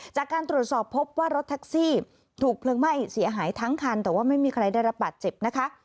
จากการตรวจสอบพบว่ารถแท็กซี่ถูกเพลิงไหม้เสียหายทั้งคันแต่ว่าไม่มีใครได้รับบาดเจ็บนะคะ